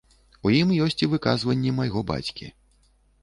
У ім ёсць і выказванні майго бацькі.